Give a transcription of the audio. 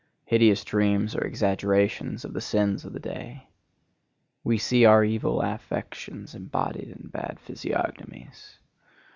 Hideous dreams are exaggerations of the sins of the day. We see our evil affections embodied in bad physiognomies.